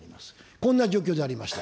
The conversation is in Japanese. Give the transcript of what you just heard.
こんな状況でありました。